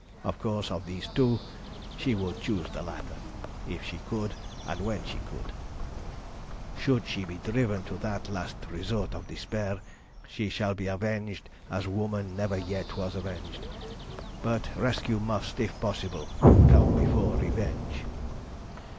Of course, of these two she would choose the latter if she could and when she could. Should she be driven to that last resort of despair, she shall be avenged as woman never yet was avenged; but rescue must, if possible, come before revenge.